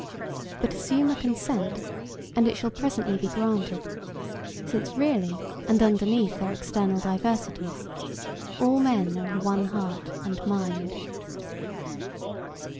But assume a consent and it shall presently be granted, since really and underneath their external diversities, all men are of one heart and mind.